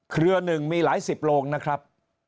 หนึ่งมีหลายสิบโรงนะครับ